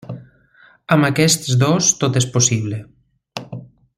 Amb aquests dos, tot és possible.